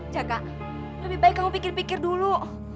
jaga lebih baik kamu pikir pikir dulu